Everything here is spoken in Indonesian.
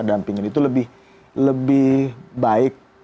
dampingin itu lebih baik